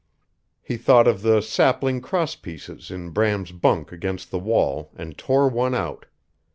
He thought of the sapling cross pieces in Bram's bunk against the wall and tore one out.